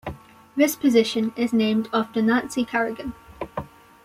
This position is named after Nancy Kerrigan.